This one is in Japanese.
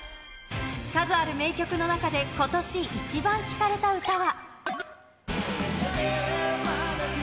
数ある名曲の中で、今年イチバン聴かれた歌は。